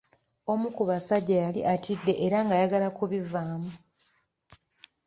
Omu ku basajja yali atidde era nga ayagala ku bivaamu.